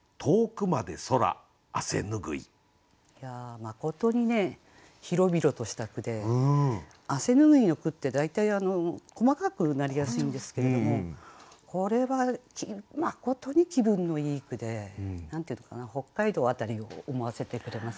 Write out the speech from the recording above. まことに広々とした句で汗拭いの句って大体細かくなりやすいんですけれどもこれはまことに気分のいい句で何て言うのかな北海道辺りを思わせてくれますよね。